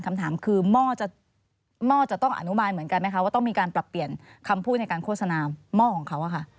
คำถามคือหม้อจะต้องอนุมานเหมือนกันไหมคะว่าต้องมีการปรับเปลี่ยนคำพูดในการโฆษณาหม้อของเขาค่ะ